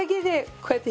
こうやって。